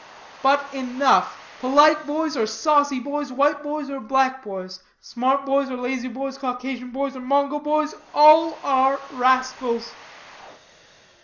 But enough: polite boys or saucy boys, white boys or black boys, smart boys or lazy boys, Caucasian boys or Mongol boys all are rascals."